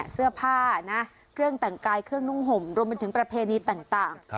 เสื้อผ้านะเครื่องแต่งกายเครื่องนุ่งห่มรวมไปถึงประเพณีต่าง